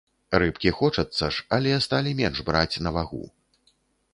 Рыбкі хочацца ж, але сталі менш браць на вагу.